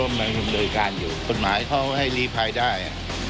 มันโดยการอยู่กฎหมายเขาให้รีบภายได้